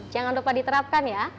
jangan lupa diterapkan ya